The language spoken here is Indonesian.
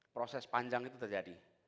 proses panjang itu terjadi